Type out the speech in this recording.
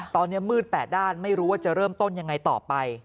ตอนนี้มืด๘ด้านไม่รู้ว่าจะเริ่มต้นยังไงต่อไป